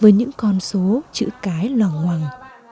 với những con số chữ cái loàng hoàng